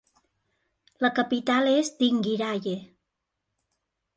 La capital és Dinguiraye.